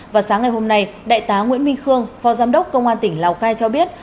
và sáng ngày hôm nay đại tá nguyễn minh khương phó giám đốc công an tỉnh lào cai cho biết